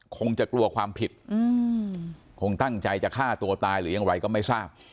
คงจะกลัวความผิดคงตั้งใจจะฆ่าตัวตายหรือยังไรก็ไม่ทราบ